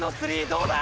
どうだ？